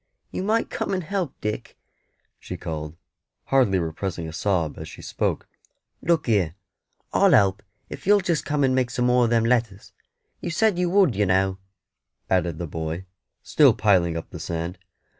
"You might come and help, Dick," she called, hardly repressing a sob as she spoke. "Look here, I'll help if you'll just come and make some more of them letters. You said you would, you know," added the boy, still piling up the sand.